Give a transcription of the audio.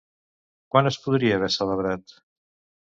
Quan es podria haver celebrat?